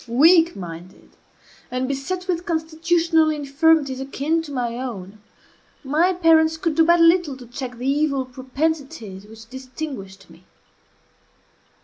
Weak minded, and beset with constitutional infirmities akin to my own, my parents could do but little to check the evil propensities which distinguished me.